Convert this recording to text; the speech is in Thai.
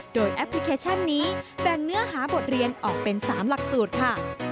โดยแอปพลิเคชันนี้แบ่งเนื้อหาบทเรียนออกเป็น๓หลักสูตรค่ะ